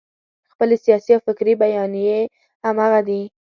خپلې سیاسي او فکري بیانیې همغه دي.